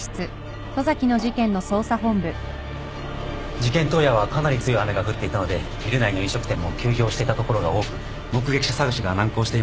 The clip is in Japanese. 事件当夜はかなり強い雨が降っていたのでビル内の飲食店も休業していたところが多く目撃者捜しが難航しています。